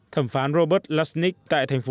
thẩm phán robert lasnik tại tp hcm